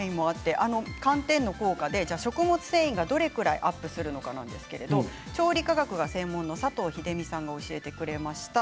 寒天の効果で食物繊維がどれくらいアップするのかですけれど調理科学が専門の佐藤秀美さんが教えてくれました。